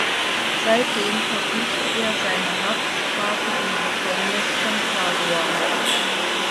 Seitdem verbüßte er seine Haftstrafe im Gefängnis von Padua.